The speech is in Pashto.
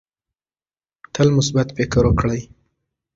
تل مثبت فکر وکړئ.